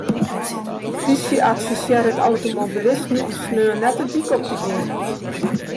De plysje advisearret automobilisten om saterdei net de dyk op te gean.